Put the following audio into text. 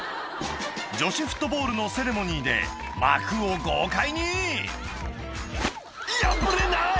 女子フットボールのセレモニーで幕を豪快に破れない！